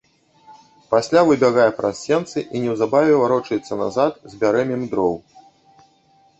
Пасля выбягае праз сенцы і неўзабаве варочаецца назад з бярэмем дроў.